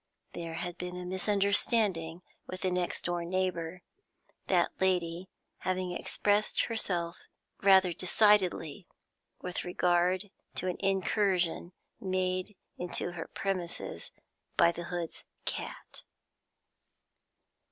There had been a misunderstanding with the next door neighbour, that lady having expressed herself rather decidedly with regard to an incursion made into her premises by the Hoods' cat.